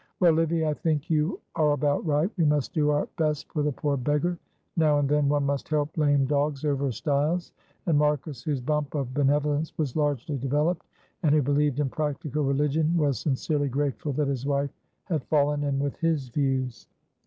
Well, Livy, I think you are about right; we must do our best for the poor beggar; now and then one must help 'lame dogs over stiles,'" and Marcus, whose bump of benevolence was largely developed, and who believed in practical religion, was sincerely grateful that his wife had fallen in with his views.